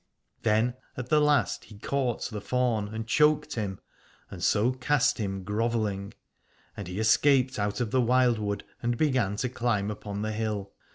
Then at the last he caught the faun and choked him, and so cast him grovelling : and he escaped out of the wildwood and began to climb upon the hill.